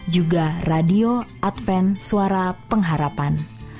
juga radio adven suara pengharapan